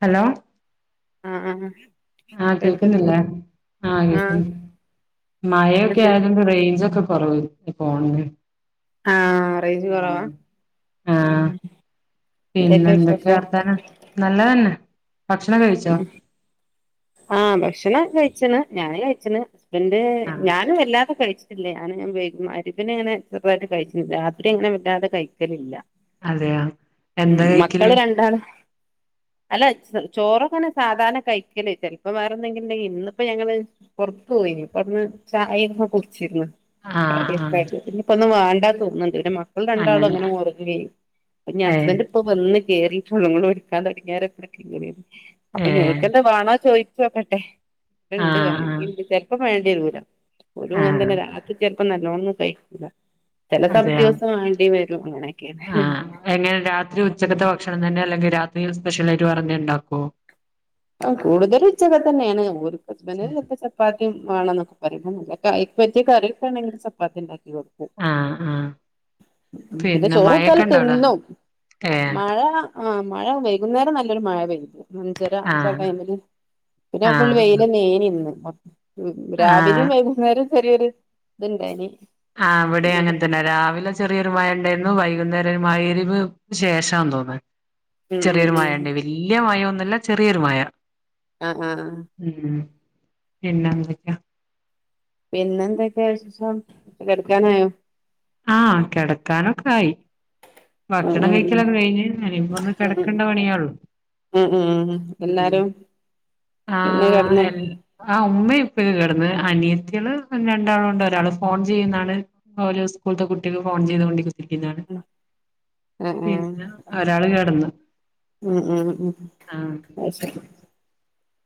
Hello ആ ആ ആ കേൾക്കുന്നില്ലേ ആ ആഹ് കേക്കുന്ന് മഴയൊക്കെ ഉണ്ട് ആയതോണ്ട് റേഞ്ചൊക്കെ പറവ് ഇപ്പോണ ആഹ് റേഞ്ച് കുറവാ ആഹ ഉം പിന്നെ എന്തൊക്കെ എന്തൊക്കെയാ വിശേഷം വർത്തനം നല്ലതന്നെ ഭക്ഷണം കഴിച്ചാ ആഹ ഭക്ഷണം കഴിച്ചണ് ഞാന് കഴിച്ചണ് പിന്റെ ആഹ് ഞാനും വല്ലാതെ കഴിച്ചു േ ഞാന ഞാൻ ഉയോഗിക്കുന്നു അരിവിിനെങ്ങനെ ചെറുതട്ട് കഴിച്ചില്ല രാത്രി ഇങ്ങനെ വറ്റാതെ കഴിക്കലില്ല അതെയാ ഉം എന്താ മക്കള് കഴിക്കല് രണ്ടാളും അല്ല ചോറൊങ്ങനെ സാധാരണ കഴിക്കലേ ചിലപ്പോം വേറെ എന്തെങ്കിലണ്ടെങ്കിൽ ഇന്നിപ്പോ ഞങ്ങൾ പുറത്തു പോയി ഇപ്പറന്ന് ചായക്കെ കുടിച്ചിരുന്നു ആഹ് ആഹ് അത വേണ്ടാന്ന് തോന്നുന്നുണ്ട് എന്റെ മക്കൾ രണ്ടാളും അങ്ങനെ മുറുകയും ഏഹ് ഹസ്ബന്റ് ഇപ്പൊ വന്ന് കേറി [unintelligible] അപ്പൊ ഏഹ് ഞങ്ങൾക്കെന്താ വേണാ ചോയി ച്ചെക്കട്ടെ ഉണ്ട് ആഹ് ആഹ് വേണങ്കി ചെൽപ്പ വേണ്ടേ ദൂരം ഒരുങ്ങ ആഹ് അന്തൻ്റ രാത്രിക്ക ഇപ്പ നല്ലോന്നും കഴിക്കില്ല ചെല [unintelligible] [unintelligible] ആഹ എങ്ങനെ രാത്രി ഉച്ചക്കത്തെ ഭക്ഷണം തന്നെ അല്ലെങ്കി രാ ത്രിയിൽ സ്പെഷ്യലായിട്ട് വേറെന്തേം ഇണ്ടാക്കോ? കൂടുതലും ഉച്ചക്കത്തെന്നാണ്. ഓര് ഹസ്ബന്റിനൊക്കെ ചപ്പാത്തിം വാണന്നൊക്കെ പറയും. അയ്ക്ക് പറ്റിയ കറിയൊക്കെ ഇന്ടെങ്കില് ചപ്പാത്തി ഇണ്ടാക്കും. ആഹ് ആഹ് പിന്നെ മഴയൊക്കെ ചോറൊട്ത്താലും ഉണ്ടോ അവിടെ തിന്നും. ഏഹ് മഴ ആഹ് മഴ വൈകുന്നേരം നല്ലൊരു മഴ പെയ്തു. അഞ്ചരാ ക്കാ ആഹ് ടൈമ് ല് പിന്നെ ഫുള്ള് ആഹ് വെയില ന്നേനിന്ന്. [inaudible] രാവിലിം ആഹ് വൈകുന്നേരം ചെറിയൊരു ഇത്ണ്ടായ്നി ആ ഇവ്ടെ അങ്ങൻ തന്നെ രാവിലെ ചെറിയൊരു മഴ ഇണ്ടായിര്ന്നു വൈകുന്നേരം മഗ്‌രിബ് ശേഷന്ന് തോന്ന് ഉം ഉം ചെറിയൊരു മഴ ഉം ഉണ്ട് വല്യ മഴന്നു നല്ല ചെറിയൊരു മഴ ആ ആ എന്നാഎട്ക്ക പിന്നെ എന്തൊക്കെയ വിശേഷം കെടക്കാനായോ ആ കിടക്കാനൊക്കായി ഉം ഭക്ഷണം ഉം കഴിക്കലൊക്ക കഴിഞ്ഞ് എനിപ്പം ഒന്ന് ഉം കിടക്കണ്ട പണിയെള്ളൂ ഉം ഉം ഉം എല്ലാരും ആ പിന്നെ കെടന്നോ ആ ഉമ്മ ഇപ്പിം ഒക്കെ കിടന്ന് അനിയത്തിള് രണ്ടാൾണ്ട് ഒരാള് ഫോൺ ചെയ്യുന്നാണ് ഓൾ സ്കൂൾത്തെ കുട്ടിക്ക് ഫോൺ ചെയ്തൊണ്ട് ആ ആ പിന്നെ ഒരാള് കിടന്ന് ഉം ഉം ആഹ് അശേരി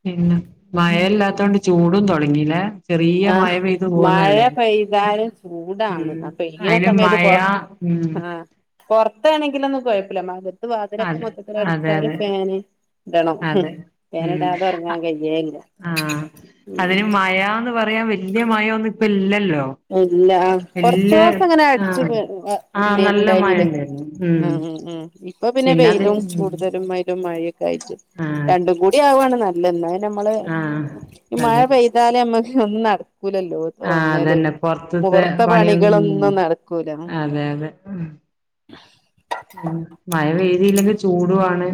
പിന്നെ മയ ഇല്ലാത്തോണ്ട് ചൂടുംതൊടങ്ങി ങ്ങിലെ ആ മഴപെയ്താലും ചൂടാണ് അപെയ്യണ അയിന് സമയത്ത് പോ മഴ ഉം ആ പുറത്താണെങ്കിലൊന്നും കുഴപ്പില്ല വാതിലൊക്കെ അതെ മൊത്തത്തില് അതെ അടച്ചാല് അതെ ഫാന് ഇടണം അതെ ഉം ഫാനിടാതെ ഒറങ്ങാൻ കഴിയേല്ല ആ ഉം അതിന് മഴാന്ന് പറയാൻ വ വല്യ മഴന്നു പെയ് ല്ല ഇല്ല ആ കുറച്ചോസം അങ്ങനെ അടച്ച് ആഹ് ആഹ് ഇല്ല നല്ല മഴ ഉണ്ടായിനിലെ ഉണ്ടായിരുന്നു ഉം ആ ആ ഇപ്പൊ പിന്നെ അത് വെയിലും ഉം കൂടുതലും വെയിലും മഴയൊക്കെ ആഹ് രണ്ടും കൂടി ആവാണ് നല്ലേ ഇല്ലന്നെ നമ്മള് ആഹ് ഈ മഴ അതെ പെയ്താല നമ്മക്ക് ഒന്നാട് കൂലല്ലോ ഉണങ്ങലും പോർത്ത്ത്തെ പണിയൊന്നും ഉം നടക്കൂല അതെ അതെ [unintelligible] ഉം മഴ പെയ്തില്ലെങ്കിൽ ചൂടുവാണ്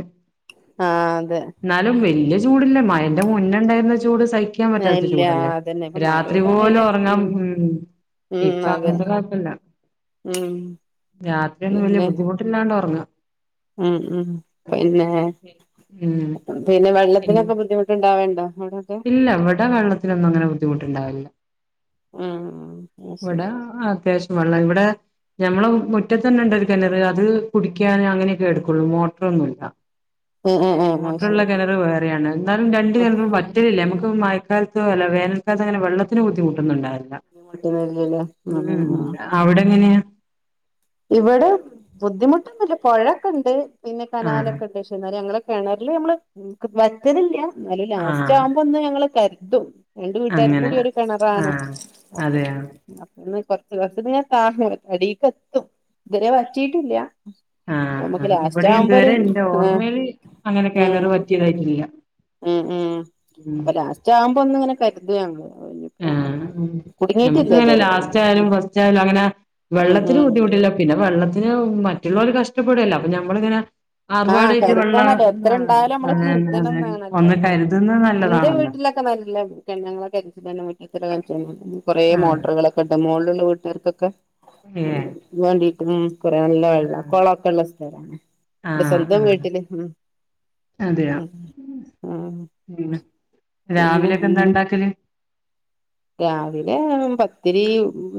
ആ അതെ എന്നാലും വല്യ ചൂടില്ല മഴന്റെ മുന്നെണ്ടായിരുന്ന ചൂട് സഹിക്കാൻ പറ്റാത്ത ഇല്ല ചൂടല്ലേ അതന്നെ ഇപ്പൊ മഴ രാത്രി പെയ്തോണ്ട് പോലും പിന്നെ ഉറങ്ങൻ ഉം ഉം ഇപ്പ അതെ അങ്ങനത്തെ കൊയ്പ്പല്ല ഉം രാത്രിഒന്നും വല്യ പിന്നെ ബുദ്ധിമുട്ട് ഒർങ്ങ ഉം ഉം പിന്നെ ഉം പിന്നെ വെള്ളത്തിനൊക്കെ ബുദ്ധിമുട്ടുണ്ടാവേണ്ടോ അവിടൊക്കെ ഇല്ല ഇവടെ വെള്ളത്തിനൊന്നും അങ്ങനെ ബുദ്ധിമുട്ടുണ്ടാവലില്ല. ഉം അത് ഇവിടെ ശരി അത്യാവശ്യം വെള്ളം ഇവിടെ ഞമ്മളെ മു മുറ്റത്ത് തന്നെ ഇണ്ട് ഒരു കെണറ് അത് കുടിക്കൻ അങ്ങനെയൊക്കെ എടുക്കുള്ളൂ മോട്ടറൊന്നുല്ല ഉം ഉം ഉം അത് മോട്ടറുള്ള ശരി കെണറ് വേറെയാണ് എന്നാലും രണ്ട് കെണറും വറ്റ് ല്ല നമ്മക്ക് മഴക്കാലത്ത് അല്ല വേനൽക്കാലത്ത് അങ്ങനെ വെള്ളത്തിന് ബുദ്ധിമുട്ടൊന്നുണ്ടാവല് ഉം അവിടെ എങ്ങനെയാ? ഇവിടെ ബുദ്ധിമുട്ടൊന്നുല്ല പൊഴക്കെ ഇണ്ട് പിന്നെ ആഹ് കനാലൊക്കെണ്ട് ഷെ എന്നാലും ഞങ്ങള് കെണറില് നമ്മള് വറ്റലില്ല അതില് ലാസ്റ്റ് ആഹ് ആവുമ്പോ ഒന്ന് ഞങ്ങള് കര് ദും രണ്ട് വീട്ടുകാർ അങ്ങനെ കൂടി ഒരു കിണറാണ് ആഹ് അതെയോ അപ്പൊന്നു [unintelligible] ഇതുരെ വറ്റിയിട്ടില്ല അ ആഹ് നമ്മുക്ക് ആഹ് ലാസ്റ്റ് ഇവിടെ ആവുമ്പോ ഒരു ഇതുവരെ എന്റെ ആ ഓർമ്മയില് അങ്ങനെ ഉ കിണറ് പറ്റിയതായിട്ടില്ല ഉ ഉ അപ്പൊ ലാസ്റ്റ് ആവുമ്പോ ഒന്നങ്ങനെ [unintelligible] ആ നമ്മക്ക്ങ്ങനെ ഇതുവരെ അങ്ങനെ ലാസ്റ്റ് ആയാലും ഉം ഫസ്റ്റ് ആയാലും അങ്ങനെ ഉം വെള്ളത്തിന് ഉം ബുദ്ധിമുട്ടില്ല പിന്നെ വെള്ളത്തിന് മറ്റുള്ളവര് കഷ്ടപ്പെടല്ല അപ്പൊ ഞമ്മളിങ്ങനെ ആ ആർഭാടായിട്ട് വെള്ള കരുതണം എത്ര ആഹ് ഉണ്ടായാലും നമ്മള് അതന്നെ കരുതണം അതന്നെ എന്നാണല്ലോ ഒന്ന് ആ കരുതുന്നത് എന്റെ നല്ലതാണല്ലോ വീട്ടിലൊക്കെ നല്ല [unintelligible] [unintelligible] ആഹ് കുറെമോട്ടറുകളൊക്കെ ഇട്ട് മോ [unintelligible] ഏ ഉം കുറെ നല്ല വെള്ള കുളൊക്കെ ഉള്ള സ്ഥലാ എന്റെ ആഹ് സ്വന്തം ആഹ് വീട്ടില് ഉ അതെയോ ഉ ആ പിന്നെ പിന്നെ രാവിലെയൊക്കെ എന്താ ഇണ്ടാക്കല് രാവിലെ പത്തിരി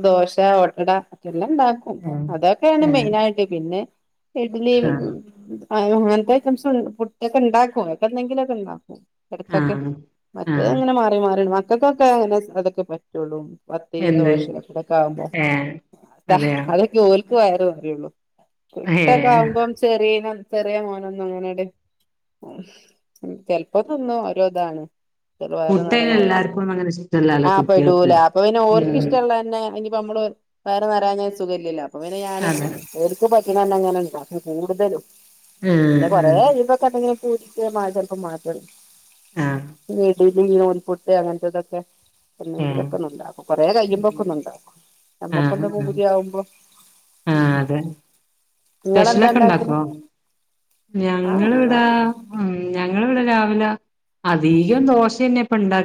ദോശ ഓട്ടട എല്ലാം ഉണ്ടാക്കും ഏഹ് അതൊക്കെയാണ് ഏഹ് മെയിനായിട്ട് പിന്നെ എട്ടൻ ലീവ് ആഹ് ആയിരുന്നു ആ അങ്ങനത്തെ ഐറ്റംസ് പുട്ടൊക്കെ ഉണ്ടാക്കും അങ്ങനത്തെ എന്തെങ്കിലുമൊക്കെ ഉണ്ടാക്കും ഇടക്കൊക്കെ ആഹ് മറ്റേ ആഹ് അങ്ങനെ മാറി മാറി വ [unintelligible] അതൊക്കെ പറ്റുള്ളൂ പത്തരിയും എന്ത് ദോശോക്കെ ആകുമ്പോ ഏഹ് അതെയോ അതൊക്കെ ഓല്ക്ക് [unintelligible] കുട്ടൊക്കെ ഏഹ് ആവുമ്പം [unintelligible] ചെറിയ മോനൊന്നും അങ്ങനെയുടെ ചിലപ്പോ തിന്നും ഓരോ ഇതാണ് വയറ് നിറയെ പുട്ടയിന് നോക്കും. എല്ലാർക്കും അങ്ങനെ ഇഷ്ടല്ല ആ പെടൂല അപ്പൊ പിന്നെ ഓർക്ക് ഇഷ്ടള്ളെ തന്നെ ഇപ്പോ നമ്മള് വയർ നിറയാനാ ഒരു സുഖഇല്ലല്ലേ അപ്പ പിന്നെ ഞാന് അതെ ഓൽക്ക് [unintelligible] പിന്നെ ആഹ് കൊറേ ആഹ് ഇതൊക്ക പൂജിക്ക മാതർക്കും മാത ആഹ് ഉം ഇി ഒ പുുട്ടത്തയാകത്തതക്കെ ഏഹ് ഒെങ്കിലൊക്കന്ന ഉണ്ടാക്കും കൊറെേ കഴിയുമ്പോൊ ഒക്ക ഒന്ന ഇണ്ടാക്കും ആ ആ അതെ നിങ്ങളെന്താ സ്പെഷ്യലൊക്കെ ഉണ്ടാക്കല് ഉണ്ടാക്കോ ആ ഞങ്ങിവിട ഞാൻ ഞവിടെ രാവില അധികം ദോശ തന്നെ പണ്ടാ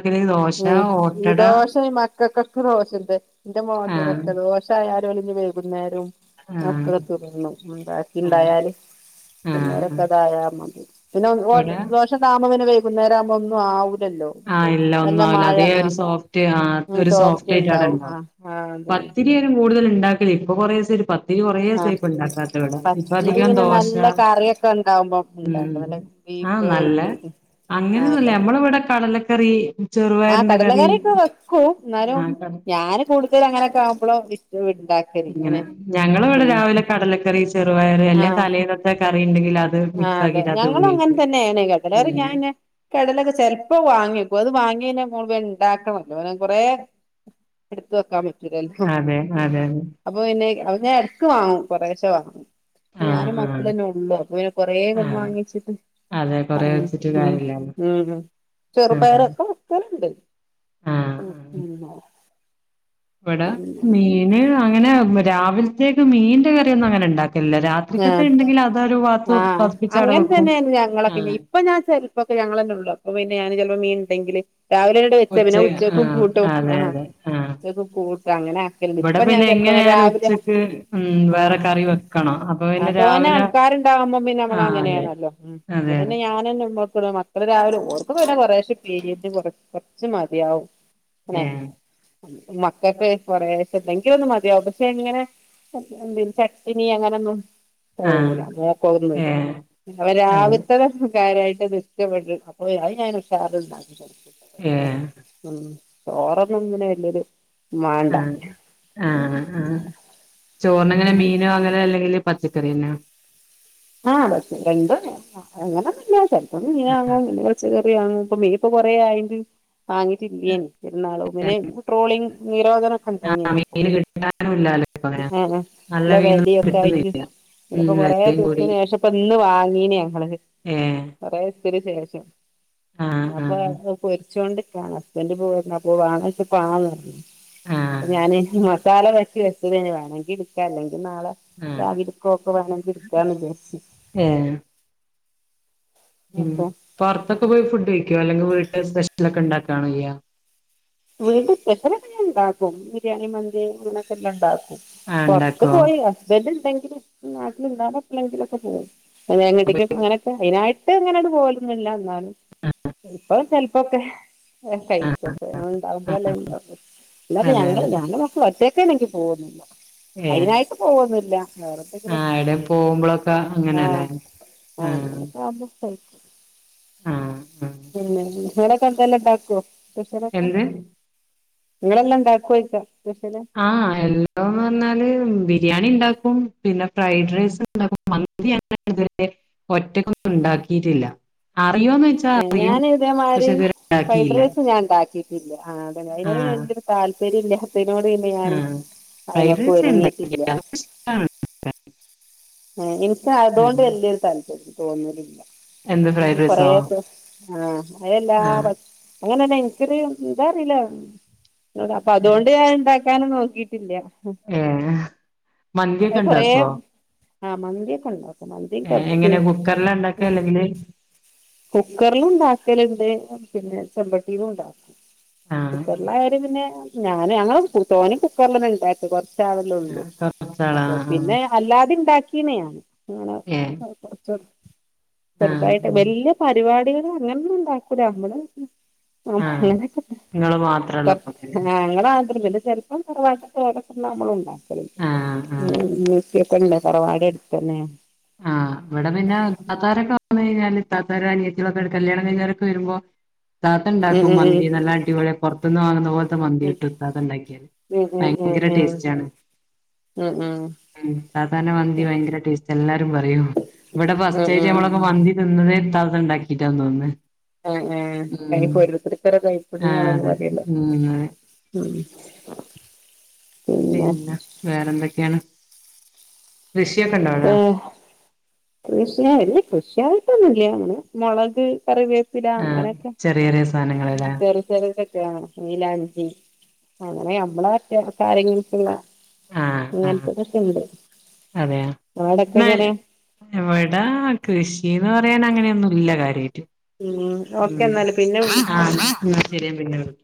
ഉം ഈ ദോഷം ഈ മക്കൊക്ക റോ എന്തെ എ ആഹ് മക്ക വർഷ വകുന്നേരം ആഹ് മക്കളൊ തന്നു ഉണ്ടാക്കി ആഹ് ഉണ്ടായാല് ആഹ് ആഹ് പിന്നേരൊക്കെ അതായാ മതി പിന്നെ ഇവിടെ ദോഷ താമന പിുന്നരാമ ഒ ആ ആഹ് ഇല്ല സോഫ്റ്റ് ഉണ്ടാവും ആ ആ അതന്നെ ും കൂടുതൽ ഉണ്ടില്ലേ ഇപ്പ കുറേ ഒരു കൊറേ ആ സേപ്പ ഉണ്ടാക്കാത്ത ഇവിട ഇപ്പ പത്തിരി അധികം പിന്നെ ദോശ നല്ല കറിയൊക്കെ ഉണ്ടാവുമ്പോ ഉ ഉണ്ടാക്കും നല്ല ആഹ ബീഫോ നല്ല അങ്ങനെന്ന നമ്മള ഇവിടെ കടലക്കറി ആഹ കടലക്കറൊക്കെ വെക്കും എന്നാലും ആഹ് കട ഞാൻ കൂടുതൽ അങ്ങനെയൊക്കെ ആവുമ്പോളോ ഉ ഇങ്ങനെ ഞങ്ങ ഇവിടെ രാവിലെ കടലക്കറി ചെറുപയർ ആ അല്ലേ തലയിദത്തെ അണ്ട് ആ അതെ ഞങ്ങളും അങ്ങൻ തന്നേണ് ഉം [unintelligible] കടലൊക്കെ ചെൽപ്പം വാങ്ങിയെക്കും അത് വാങ് വാങ്ങിയാ പിന്നെ മുഴുവൻ ഇണ്ടാക്കണം അല്ലാതെ പിന്നെ കൊറേ എടുത്ത് വെക്കാൻ പറ്റ് പറ്റൂലല്ലോ അതെ അതെ അതെ അപ്പൊ പിന്നെ അ ഞാൻ എട്ക്ക് വാങ്ങും കൊറേശവാങും ന്ന് ആഹ് ഞാനും ആഹ് മക്കളെന്നൊള്ളൂ അപം വേ കൊറേആയ്ക്ണ് ആഹ് മാങ്ങിയെച്ട്ട് അതെ ആ കൊറേ മ്മ് വെച്ചിട്ട് കാര്യല്ലല്ലോ മ്മ് ആഹ് ചെറുപയറൊകെ വെക്കല്ണ്ട് വടാ മീന് അങ്ങനെ മ രാവിൽത്തേക്ക് മീന്റെ കറിയൊന്നും അങ്ങനെ ഇണ്ടാക് ആ ആ പതിപ്പിച്ചവിടെ അങ്ങൻ വെക്കും തന്നേണ് ഞങ്ങളൊക്കെ ആഹ് ഇപ്പൊ ഞാൻ ചെലപ്പൊക്കെ ഞങ്ങളല്ലെള്ളൂ അപ്പ പിന്നെ ഞാന് ചെൽപ്പൊ മീൻ ഇണ്ടെങ്കില് രാവിലങ്ങട്ട് വെച്ച ഉച്ച പിന്നെ ഉച്ചക്കും ആഹ് കൂട്ടും അതെ ആ അതെ ആഹ് ഉച്ചകും കൂട്ടും അങ്ങനാകെൽണ്ട് ഇവിടെ ഇപ്പ ഞാൻ പിന്നെ ചെൽപങ്ങനെ എങ്ങനെയായാലും രാവിലെ ഉച്ചക്ക് ഉം ആ വേറെ കറി വെക്കണം അപ്പൊ ആ പിന്നെ രാവിലെ തോന്നാൾക്കാര്ണ്ടാകുമ്പ പിന്നെ ആഹ് അതെ അമ്മളങ്ങനേണല്ലോ മ്മ് അതെ ഇവിടെന്നെ അതെ ഞാനള്ളു നിക്ണെ മക്കള് രാ ഓർക് പിന്നെ കൊറേശെ ഇപ്യേരിയേറ്റ കൊറച് കൊർച് മത്യാവും ഏഹ് [unintelligible] മക്കൾക്ക് കൊറെേശെന്തെങ്കിലൊന്ന് മത്യാവും പക്ഷെ ഇങ്ങനെ എന്തേലും ചട്ട്നി അങ്ങനൊന്നും ആഹ് പോവൂല മോക്കവൊന്നെ ഏഹ് പിന്നെപം അതെ രാവിൽത്തെതൊന്ന് ക്കാര്യായിട്ട്ത് ഇഷ്ടപ്പെട് അപ്പോ ഞൻ ഉഷാറാല് ഇണ്ടാകി കൊട്കും ഏഹ് ഉം ചോറൊന്നും ഇങ്ങനെ വെല്ല്യൊരു ആ ആ ആ ചോറിനെങ്ങനെ ഉം മീനോ അങ്ങനെ എല്ലെങ്കില് പച്ചക് ക്കറിന്നോ ആ പച്ചക രണ്ടും അങ്ങനൊന്നുല്ല ചെലപ്പോ മീനാങ്ങും ഇല്ലെ പച്ച കറ്യാങ്ങും ഇപ്പ മീൻപ്പം കൊറേ ആയിണ്ട് വാങ്ങീട്ടില്ലേനി പെര്ന്നാളും പിന്നെ ട്രോളിങ് നിരോധനൊക്കെ ആഹ് ഇണ്ടായീനിയെല്ലോ ഇപ്പോ മീന് കിട്ടാനുല്ലാലോ ഇപ്പങ്ങനെ ആ നല്ല മീനൊന്നും വെലിയൊക്കായിട്ട് കിട്ടുന്നില്ല ഉം ഇപ്പോ കൊറേ വെലയും കൂടി ദീസ്ത്തിന് ശേഷം ഇപ്പ ഇന്ന് വ വാങ്ങീനിയോ [unintelligible] ഏഹ് കൊറേ ത്തിന് ശേഷം ആഹ് ഞാപ്പൊ ആഹ് അഅ് പോര് ച്ചോണ്ട്ക്കാണ് ഹസ്ബെൻ്റ് ഇപ്പം വെന്നപ്പോ വാണോയ്ചപം ആന്ന് പർഞ് ആഹ് ഞാന് ങ്ങ മസാല പര്റ്റി വെച് വേണമങ്കി എടുക്ക അല്ലെങ്കി നാളെ ആഹ് രാവിലെപോ പോവുകയാണെങ്കിൽ എടുക്കാം വിചാരിച്ചു ഹേ ഉം അപ്പൊ പുറത്തൊക്കെ പോയി ഫുഡ് കഴിക്കോ അല്ലെങ്കിൽ വീട്ടൽ സ്പെഷ്യൽ ലൊക്കെ ഉണ്ടാക്കാണേ ചെയ്യാ? വീട്ട സ്പെഷ്യലൊക്കെ ഞാൻ ഉണ്ടാക്കും ബിരിയാണി മന്തി ഇങ്ങനൊക്കെ എല്ലാം ഉണ്ടാക്കും ആഹ് പുറത്ത് ഇണ്ടാക്കോ പോയി ഹസ്ബൻഡ ഉണ്ടെ നാട്ടിൽ ഉണ്ടാവുമ്പോ എപ്പോളെങ്കിലുമൊക്കെ പോകും [unintelligible] അങ്ങനൊക്കെ അതിനായിട്ട് ട്ട് ഇങ്ങനട് പോലന്നുല്ല്യ ഇന്നാലും ഇപ്പം ചെൽ ഓക്കെ [unintelligible] ആഹ് ഇങ്ങളെന്ത് [unintelligible] [unintelligible] ആഹ് അതെ അതെ പോവൊന്നില്ല ഏഹ് അയ്നായിട്ട് പോവൊന്നില്ല വേറെന്തെലൊക്കെ ആഹ് എവിടെ പോകുമ്പളൊക്കെ അങ്ങനെല്ലേ ആഹ് ആഹ് അങ്ങനൊക്കെ ആവുമ്പൊ [unintelligible] ആഹ് ആഹ് [unintelligible] മടക്കന്തല്ലാണ്ടാക്വോ സ്പെഷ്യലക്കെ എന്ത് നിങ്ങളെല്ലാം ണ്ടാക്കോയിക്ക ആഹ് എല്ലാം പറഞ്ഞാല് ബിരിയാണിണ്ടാക്കും പിന്നെ ഫ്രൈഡ് റൈസ്ണ്ട [unintelligible] മന്തി അങ്ങനെ ഇതുവരെ ഒറ്റകൊന്നുണ്ടാക്കിട്ടില്ല ആ അഹ് ഞാൻ ഇതേമാരി ഉണ്ടാക്കിയില്ല ഫൈഡ്റെസ് ഞാൻ ണ്ടാക്കിയിട്ടില്ല ആഹ് അതെ അയിനോട്ന്നെ ആഹ് വല്ല്യ താല്പര്യല്ല ത്തിനോട്‌ പിന്നെ ഞാന് ആഹ് ഫ്രൈഡ് അയ്മക്ക് റൈസ് ഉണ്ടാക്കി ഒരുങ്ങിട്ടില്ല ഇഷ്ടാണ് ഹെ എനിക്ക് അതൊണ്ട് വല്യോരു താല്പ രു തോന്നലില്ല എന്ത് ഉം ഫ്രൈഡ് റൈസോ കൊറെക്കെ ആഹ് അയല്ലാ ആഹ് പച് അങ്ങനെരു എനിക്കൊരു എന്താറില്ല [unintelligible] അപ്പൊ അതൊണ്ട് ഞാൻ ഇണ്ടാക് ക്കാനും നോക്കിയിട്ടില്ല ഉം കൊറേ മന്തിയൊക്കെണ്ടാക്കുവോ ആ മന്തിയൊക്കെണ്ടാ മന്തീം കഫ്സയും കുക്കറില ഉണ്ടാക്ക അല്ലെങ്കില് കുക്കറിലും ഉണ്ടാക്കലുണ്ട് പിന്നെ [unintelligible] ഒണ്ടാക്കും ആഹ് കുക്കറിൽ ആയാലും പിന്നെ ഞാന് ഞങ്ങള് തോനെ കുക്കറില് ന്ന് ണ്ടാക്ക കൊ ച്ചവാലോള്ളൂ ആഹ് കൊറച്ചാളാ അപ്പ ആഹ് പിന്നെ അല്ലാതെ ണ്ടാക്കി [unintelligible] ഏഹ് യാണ് [unintelligible] ചെറുതായിട്ട് ആഹ് വല്യ പരിപാടികൾ അങ്ങനെ ഒന്നും ഉണ്ടാക്കൂല്ല നമ്മൾ ആഹ് നിങ്ങള് മാത്രള്ളപ്പോ ആ അങ്ങന [unintelligible] ചെിലപ്പം പറവാായിട്ട് ര നമ്മള ഉണ്ട [unintelligible] ആഹ് ഉ ആഹ് നക്കക്കണ്ട [unintelligible] കുറവാ ഇടുത്താനേ ആഹ് ഇവിടെ പിന്നെ താത്താരൊക്കെ വന്ന കഴിഞ്ഞാല് താത്താര അനിയത്തിക്കെ കല്യാണം കഴിഞ്ഞവരോക്കെ വരുമ്പോ ത്താത്ത ഉം ഉണ്ടാക്കും ഉം മന്തി നല്ല അടിപൊളി പുറത്തുന്ന് വാങ്ങുന്ന പോലത്തെ മന്തി ഇട്ടുംത്താത്ത ഉണ്ടാക്കിയല് ഉം ഉം ഉം ഭയങ്കര ഉം ടേസ്റ്റ് ആണ് ഉം ഉം താത്തന്ന മന്തി ഉം ഭയങ്കര ടേസ്റ്റ് എല്ലാരും പറയോ ഇവിടെ ഉം ഉം ഫസ്റ്റായിട്ട് ഉം നമ്മളൊക്കെ മന്തി തിന്നുന്നത് ഇത്താത്ത ഉണ്ടാക്കിട്ടാ തോന്നുന്നു ആ ആഹ് ഉം അതിനിപ്പോഓരോർത്തർക്ക് ഓരോ കൈപ്പുണ്ണിയ ആഹ് ആണന്ന് അതെ പറയില്ലോ ഉം അതെ ഉം പിന്നെ വേറെന്തൊക്കെയാണ് കൃഷിയൊക്കെ ഉണ്ടോ അവിടെ കൃഷിയല്ല കൃഷിയായിട്ടൊന്നല്ലേ അങ്ങനെ മുളക് കറിവേപ്പില ആഹ് അങ്ങനൊക്കെ ചെറിയ ചെറിയ സാധനങ്ങളല്ലേ ചെറുത് ചെറതൊക്കെയാണ് മൈലാഞ്ചി അങ്ങനെ മറ്റ് കാര്യങ്ങൾക്കുള്ള ആഹ് അങ്ങനെയൊക്കെ ഉണ്ട് എവിടാ കൃഷി അന്ന് പറയാൻ അങ്ങനെയൊന്നും ഇല്ല കാര്യമായിട്ട് ഉം ഓക്കെ എന്ന പിന്നെ വിളിക്ക ആഹ് എന്നാ ശരി ഞാൻ പിന്നെ വിളിക്കാം